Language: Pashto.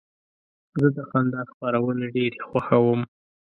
زه د خندا خپرونې ډېرې خوښوم.